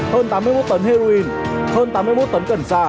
hơn tám mươi một tấn heroin